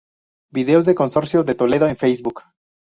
Videos del Consorcio de Toledo en Facebook.